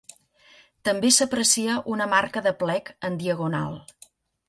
També s'aprecia una marca de plec en diagonal.